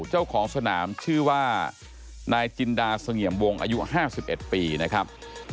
เจ้าของสนามชื่อว่านายจินดาเสงี่ยมวงอายุ๕๑ปีนะครับ